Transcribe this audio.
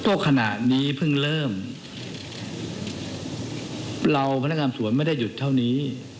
ก็ขณะนี้เพิ่งเริ่มเราพนักงานสวนไม่ได้หยุดเท่านี้